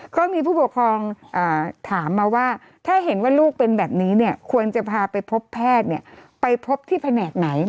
ก็มีผู้ปกครองถามมาว่าถ้าเห็นว่าลูกเป็นแบบนี้ควรจะพาไปพบแพทย์ไปพบที่แผนกไหน